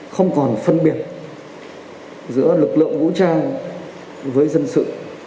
không còn phân biệt giữa lực lượng vũ trang với dân sự